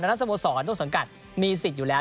นั้นสโมสรต้นสังกัดมีสิทธิ์อยู่แล้ว